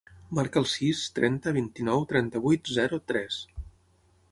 Marca el sis, trenta, vint-i-nou, trenta-vuit, zero, tres.